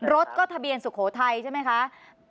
รถก็ทะเบียนสุโขทัยใช่ไหมคะ